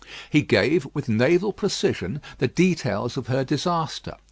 He gave, with naval precision, the details of her disaster.